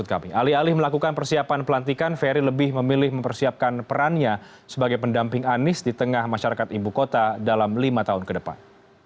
alih alih melakukan persiapan pelantikan ferry lebih memilih mempersiapkan perannya sebagai pendamping anies di tengah masyarakat ibu kota dalam lima tahun ke depan